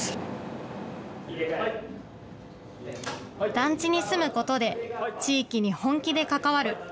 団地に住むことで、地域に本気で関わる。